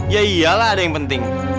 ya iyalah ada yang penting